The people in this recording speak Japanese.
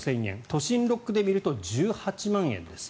都心６区で見ると１８万円です。